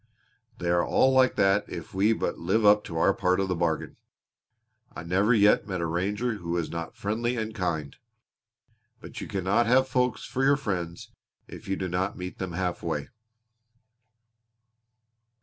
"They are all like that if we but live up to our part of the bargain. I never yet met a ranger who was not friendly and kind. But you cannot have folks for your friends if you do not meet them half way."